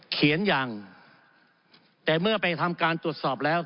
อย่างแต่เมื่อไปทำการตรวจสอบแล้ว